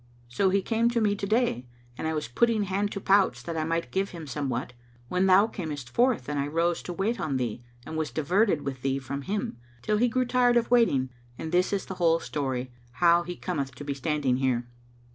So he came to me to day and I was putting hand to pouch, that I might give him somewhat, when thou camest forth and I rose to wait on thee and was diverted with thee from him, till he grew tired of waiting; and this is the whole story, how he cometh to be standing here."